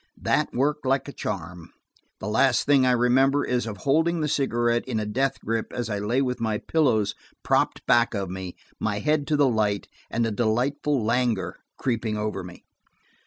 That worked like a charm; the last thing I remember is of holding the cigarette in a death grip as I lay with my pillows propped back of me, my head to the light, and a delightful languor creeping over me.